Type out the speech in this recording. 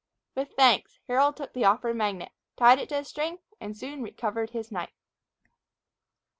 With thanks, Harold took the offered magnet, tied it to a string, and soon recovered his knife.